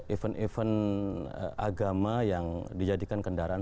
event event agama yang dijadikan kendaraan